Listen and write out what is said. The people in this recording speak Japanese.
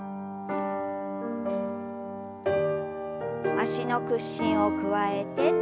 脚の屈伸を加えて。